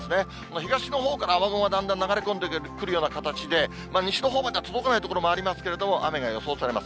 東のほうから雨雲がだんだん流れ込んでくるような形で、西のほうまで届かない所もありますけれども、雨が予想されます。